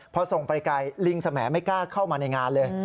พอส่งไปไกลลิงสมัยไม่กล้าเข้ามาในงานเลย